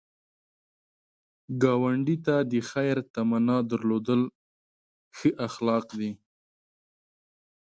ګاونډي ته د خیر تمنا درلودل ښو اخلاق دي